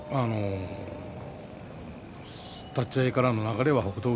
立ち合いからの流れは北勝